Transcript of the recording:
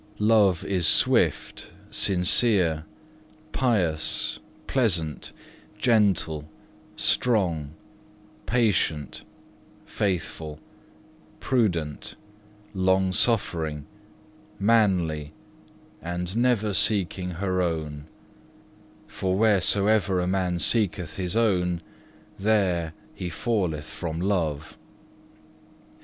7. Love is swift, sincere, pious, pleasant, gentle, strong, patient, faithful, prudent, long suffering, manly, and never seeking her own; for wheresoever a man seeketh his own, there he falleth from love.